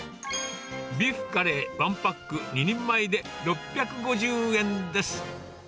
ビーフカレー、１パック２人前で６５０円です。